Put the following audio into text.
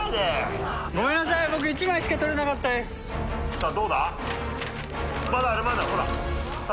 さあどうだ？ああ！